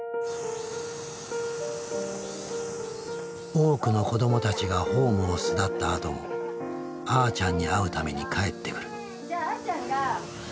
多くの子どもたちがホームを巣立ったあともあーちゃんに会うために帰ってくる。